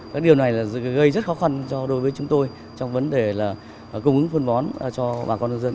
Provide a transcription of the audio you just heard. cái điều này gây rất khó khăn cho đối với chúng tôi trong vấn đề là cung ứng phân bón cho bà con nhân dân